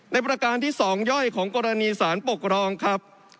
ประการที่๒ย่อยของกรณีสารปกครองครับ